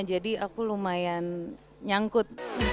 jadi aku lumayan nyangkut